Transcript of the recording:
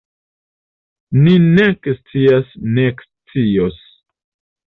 Ni nek scias nek scios.